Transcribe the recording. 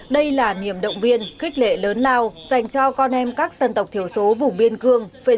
đây là niềm động viên khích lệ lớn lao dành cho con em các dân tộc thiểu số vùng biên cương